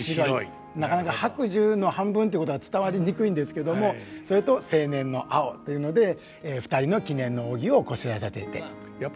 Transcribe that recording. なかなか白寿の半分ということが伝わりにくいんですけどもそれと青年の青というので２人の記念の扇をこしらえさせていただいて。